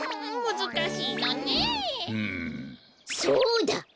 そうだ！